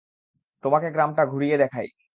তোমাকে গ্রামটা ঘুরিয়ে দেখাই।